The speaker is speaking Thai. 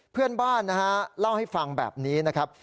เพื่อนบ้านนะฮะเล่าให้ฟังแบบนี้นะครับ